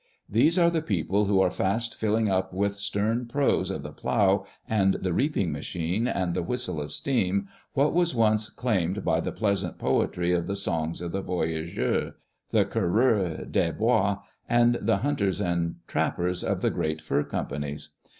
These are the people who are fast filling up with stern prose of the plough and the reaping machine, and the whistle of steam, what was once claimed by the pleasant poetry of the songs of the voyageur, the coureur des bois, and the hunters and trappers of the great Pur Companies.